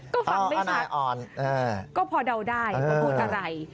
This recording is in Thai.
ก็ฟังไม่ชัดก็พอเดาได้ว่าพูดอะไร